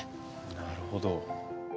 なるほど。